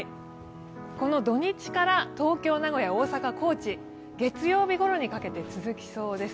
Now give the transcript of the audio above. この土日から東京、名古屋、大阪、高知月曜日ごろにかけて続きそうです。